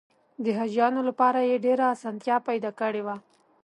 د حاجیانو لپاره یې ډېره اسانتیا پیدا کړې وه.